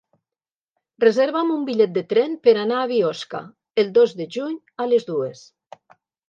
Reserva'm un bitllet de tren per anar a Biosca el dos de juny a les dues.